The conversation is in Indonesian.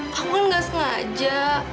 kakak kan gak sengaja